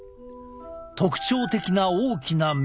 特徴的な大きな目。